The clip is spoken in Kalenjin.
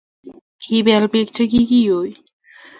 kibel beek che kikiyoi.